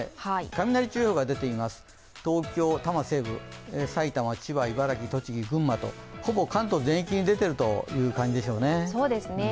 雷注意報が出ています、東京、多摩西部、埼玉、千葉、茨城、栃木、群馬とほぼ関東全域に出ているという感じでしょうね。